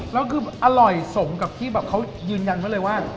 แล้วคืออร่อยสมกับที่แบบเขายืนยันไว้เลยว่า